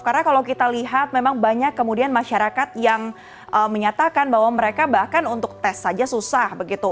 karena kalau kita lihat memang banyak kemudian masyarakat yang menyatakan bahwa mereka bahkan untuk tes saja susah begitu